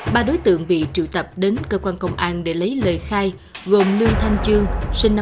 ba đối tượng bị trụ tập đến cơ quan công an để lấy lời khai gồm lương thanh trương sinh năm một nghìn chín trăm bảy mươi tám